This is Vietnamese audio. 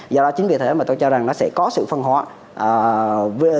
do đó chính vì thế mà tôi cho rằng nó sẽ có sự phân hóa